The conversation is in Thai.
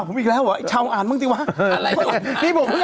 ผมแล้วหวะไอ้เธออ่านจริงมั้ย